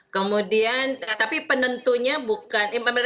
kemudian tapi penentunya bukan